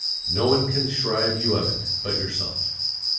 No one can shrive you of it but yourself.